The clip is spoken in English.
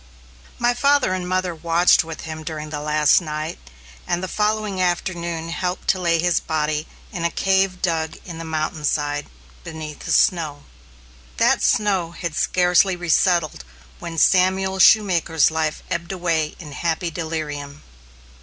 My father and mother watched with him during the last night, and the following afternoon helped to lay his body in a cave dug in the mountain side, beneath the snow. That snow had scarcely resettled when Samuel Shoemaker's life ebbed away in happy delirium.